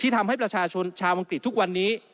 ทำให้ประชาชนชาวอังกฤษทุกวันนี้